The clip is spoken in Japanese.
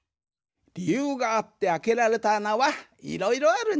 りゆうがあってあけられたあなはいろいろあるんじゃな。